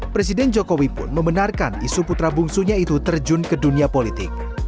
presiden jokowi pun membenarkan isu putra bungsunya itu terjun ke dunia politik